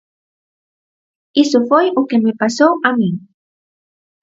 Iso foi o que me pasou a min.